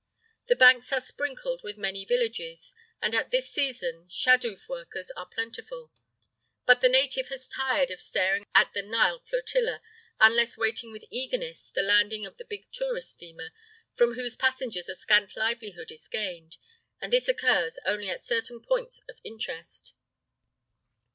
The banks are sprinkled with many villages, and at this season shaduf workers are plentiful; but the native has tired of staring at the Nile flotilla, unless awaiting with eagerness the landing of the big tourist steamer, from whose passengers a scant livelihood is gained, and this occurs only at certain points of interest.